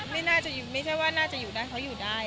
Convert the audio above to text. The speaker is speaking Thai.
ไม่ใช่ว่าน่าจะอยู่ได้เขาอยู่ได้